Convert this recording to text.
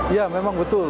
ya memang betul